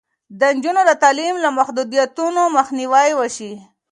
د نجونو د تعلیم له محدودیتونو مخنیوی وشي.